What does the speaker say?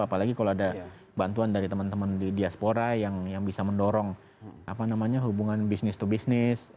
apalagi kalau ada bantuan dari teman teman di diaspora yang bisa mendorong hubungan bisnis to bisnis